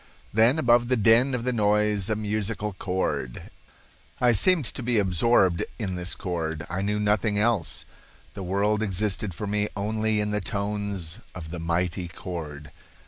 Then above the din of the noise a musical chord. I seemed to be absorbed in this chord. I knew nothing else. The world existed for me only in the tones of the mighty chord.